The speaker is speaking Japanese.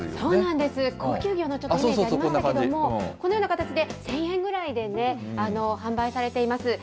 そうなんです、高級魚のちょっとイメージ、ありますけれども、このような形で、１０００円ぐらいでね、販売されています。